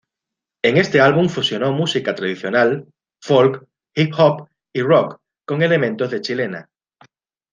En este álbum fusionó música tradicional, folk, hip-hop y rock con elementos de chilena.